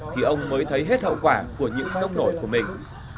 thì ông mới thấy hết hậu quả của những tông nổi của mình